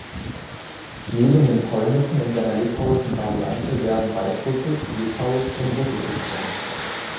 Neben dem Polnischen in seiner litauischen Variante werden Weißrussisch, Litauisch und Russisch gesprochen.